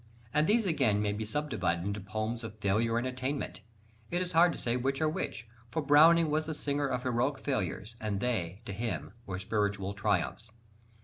And these again may be subdivided into poems of failure and attainment: it is hard to say which are which, for Browning was the singer of heroic failures, and they, to him, were spiritual triumphs.